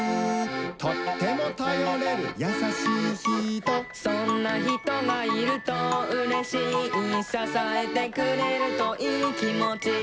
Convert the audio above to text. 「とってもたよれるやさしいひと」「そんなひとがいるとうれしい」「ささえてくれるといいきもち」